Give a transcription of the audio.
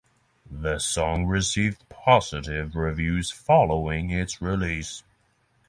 The song received positive reviews following its release.